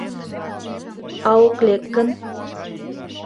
А ок лек гын?